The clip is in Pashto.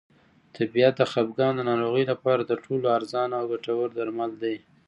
طبیعت د خپګان د ناروغۍ لپاره تر ټولو ارزانه او ګټور درمل دی.